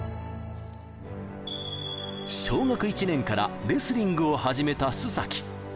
小学１年からレスリングを始めた須崎。